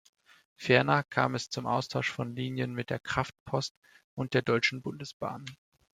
Ferner kam es zum Austausch von Linien mit der Kraftpost und der Deutschen Bundesbahn.